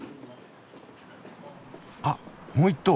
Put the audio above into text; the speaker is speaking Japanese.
あっもう１頭！